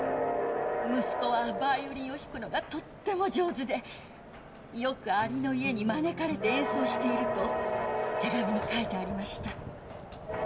息子はバイオリンを弾くのがとっても上手でよくアリの家に招かれて演奏していると手紙に書いてありました。